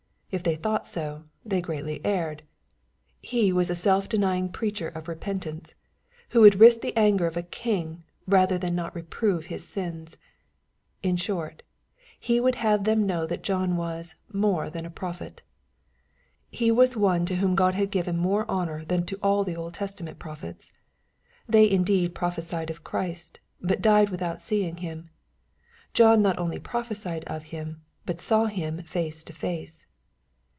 If they thought so, they greatly erred. He was a selWenying preacher of repentance, who would risk the anger of a king, rather than not reprove his sins. — ^In short. He would have them know that John was " more than a prophet." He was one to whom God had given more honor than to all the Old Testament prophets. They indeed. pro phecied of Christ, but died without seeing Him. John not only prophecied of Him, but saw Him face to face.